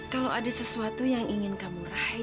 kalau ada sesuatu yang ingin kamu raih